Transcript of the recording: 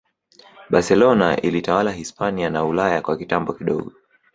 Barcelona ilitawala Hispania na Ulaya kwa kitambo kidogo